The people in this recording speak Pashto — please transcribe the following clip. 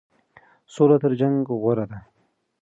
سوله تر جنګ غوره ده.